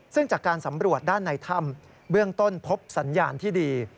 ซึ่งจากการสำรวจด้านในถ้ำเบื้องต้นพบสัญญาณที่ดี